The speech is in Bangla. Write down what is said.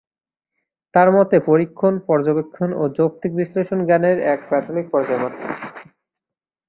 তার মতে, পরীক্ষণ, পর্যবেক্ষণ ও যৌক্তিক বিশ্লেষণ জ্ঞানের এক প্রাথমিক পর্যায় মাত্র।